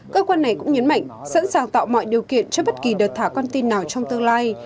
cơ quan này cũng nhấn mạnh sẵn sàng tạo mọi điều kiện cho bất kỳ đợt thả con tin nào trong tương lai